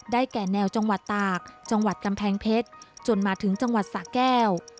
แก่แนวจังหวัดตากจังหวัดกำแพงเพชรจนมาถึงจังหวัดสะแก้ว